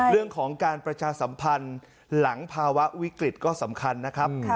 เรื่องของการประชาสัมพันธ์หลังภาวะวิกฤตก็สำคัญนะครับ